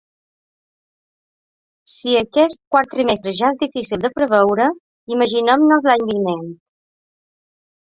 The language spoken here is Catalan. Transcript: Si aquest quart trimestre ja és difícil de preveure, imaginem-nos l’any vinent.